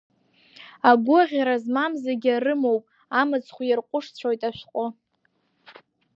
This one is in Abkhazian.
Агәыӷьра змам зегь арымоуп, амыцхә иарҟәышцәоит ашәҟәы!